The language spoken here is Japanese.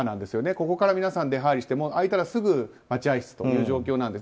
ここから皆さん、出入りして空いたらすぐ待合室という状況なんです。